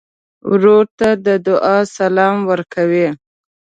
ورور ته د دعا سلام ورکوې.